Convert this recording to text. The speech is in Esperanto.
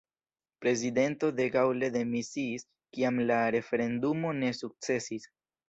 Prezidento de Gaulle demisiis kiam la referendumo ne sukcesis.